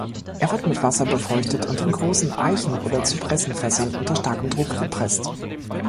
Er wird mit Wasser befeuchtet in großen Eichen- oder Zypressen-fässern unter starkem Druck gepresst.